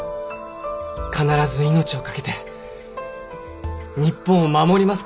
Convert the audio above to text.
必ず命を懸けて日本を守りますから。